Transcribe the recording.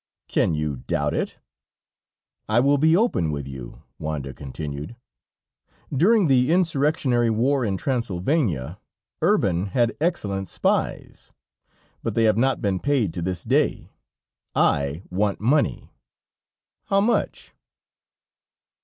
"Can you doubt it?" "I will be open with you," Wanda continued. "During the insurrectionary war in Transylvania, Urban had excellent spies, but they have not been paid to this day. I want money...." "How much?"